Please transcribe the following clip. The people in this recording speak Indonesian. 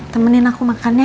temenin aku makan ya